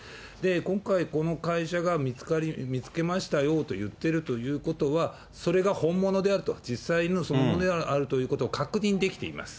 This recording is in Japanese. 今回、この会社が見つけましたよと言ってるということは、それが本物であると、実際のそのものであるということを確認できています。